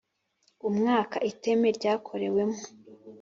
Umwaka iteme ryakorewemo